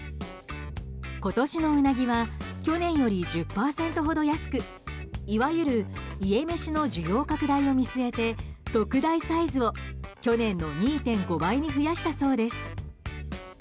今年のうなぎは去年より１０％ほど安くいわゆるイエメシの需要拡大を見据えて特大サイズを去年の２．５倍に増やしたそうです。